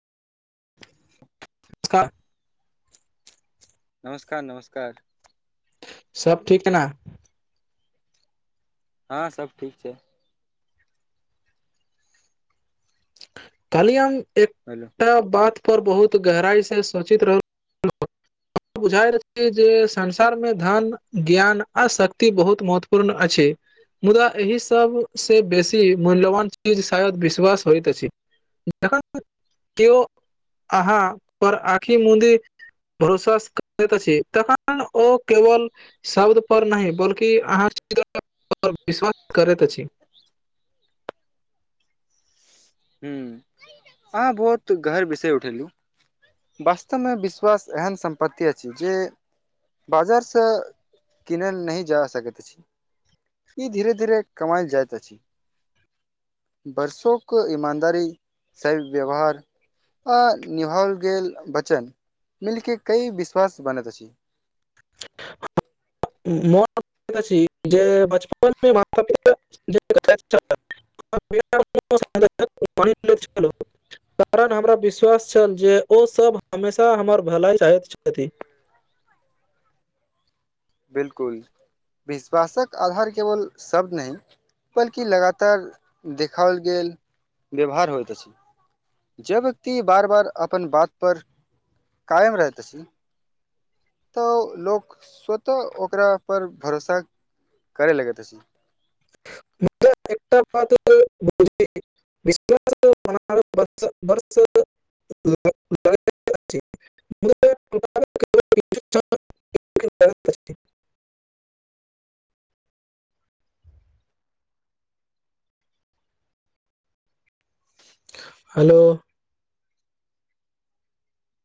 [unintelligible] नमस्कार नमस्कार सब ठीक ना हँ सब ठीक छै खलीयम एक हेलो एकटा बात पर बहुत गहराइसँ सोचैत रहल [inaudible] बुझा रहल छी जे संसार में धन ज्ञान आ शक्ति बहुत महत्वपूर्ण अछि मुदा एहि सब से बेसी मूल्यवान चीज शायद विश्वास होयत अछि जखन केओ अहाँ पर आँखि मुदी भरोसा करैत अछि तखन ओ केवल शब्द पर नहि बल्कि [inaudible] विश्वास करैत अछि [inaudible] हं अहाँ बहुत गहर बिसरि उठेलहु वास्तवमें विश्वास एहन सम्पत्ति अछि जे बाजार स किनैल नहि जा सकैत छी ई धीरे धीरे कमाइल जाइत अछि बर्षो कोइ इमानदारी स व्यवहार आ निभाओल गेल वचन मिलिक कई विश्वास बनैत अछि [inaudible] [inaudible] [inaudible] कारण हमरा विश्वास छल जे ओ सब हमेशा हमर भलाई चाहैत छथि बिलकुल विश्वासक आधार केवल शब्द नहि बल्कि लगातार देखाओल गेल व्यवहार होइत अछि जब व्यक्ति बार बार अपन बात पर कायम रहैत अछि तऽ लोक स्वतः ओकरा पर भरोसा करै लगैत अछि [inaudible] [inaudible] [inaudible] अछि मुदा टुटाबे केवल किछु क्षण लगैत अछि। हेलो